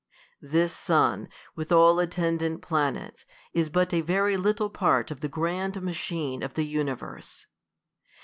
This sun, with all attendant planets, is but a very little part of the grand machine of the universe.